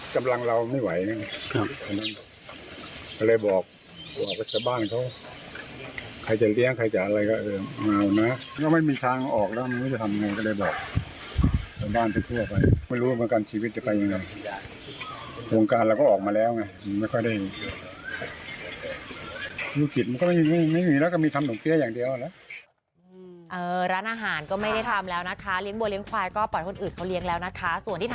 ธุรกิจมันก็ไม่มีแล้วก็มีขนมเปี๊ยะอย่างเดียวนะ